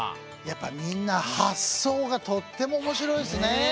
やっぱみんなはっそうがとってもおもしろいですね。